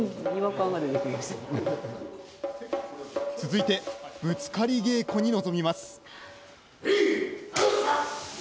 続いて、ぶつかり稽古に臨みます。